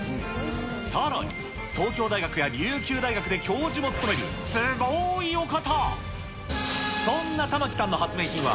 さらに、東京大学や琉球大学で教授も務めるすごーいお方。